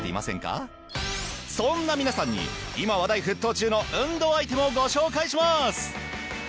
そんな皆さんに今話題沸騰中の運動アイテムをご紹介します！